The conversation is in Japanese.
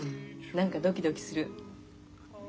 何かドキドキする。